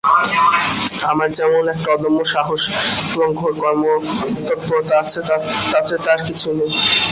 আমার যেমন একটা অদম্য সাহস এবং ঘোর কর্মতৎপরতা আছে, তাঁতে তার কিছুই নেই।